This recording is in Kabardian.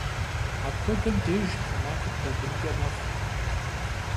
Апхуэдэм деж тэмакъыр бэгынкӏэ мэхъу.